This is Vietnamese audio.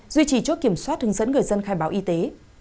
duy trì chốt kiểm soát hướng dẫn người dân khai báo y tế